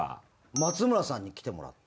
松村さんに来てもらって。